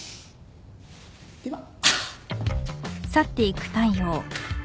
では。